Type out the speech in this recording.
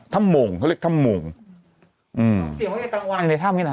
ทำโมงเขาเรียกทำโมงอือเกี่ยวว่าเกยตำวานในทำนี่แล้ว